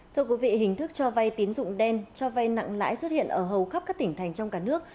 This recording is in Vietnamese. thưa quý vị hình thức cho vay tín dụng đen cho vay nặng lãi xuất hiện ở hầu khắp các tỉnh thành trong cả nước